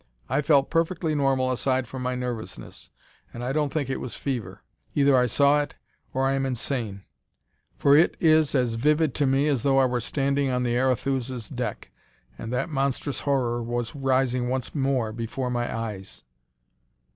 I felt perfectly normal aside from my nervousness, and I don't think it was fever. Either I saw it or I am insane, for it is as vivid to me as though I were standing on the Arethusa's deck and that monstrous horror was rising once more before my eyes."